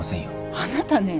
あなたねえ